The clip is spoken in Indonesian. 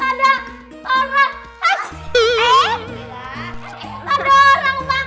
ada orang makan